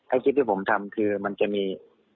คลิปที่ผมทำคือมันจะมี